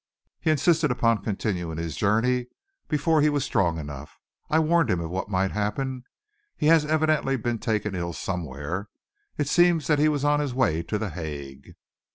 "He insisted upon continuing his journey before he was strong enough. I warned him of what might happen. He has evidently been take ill somewhere. It seems that he was on his way to The Hague."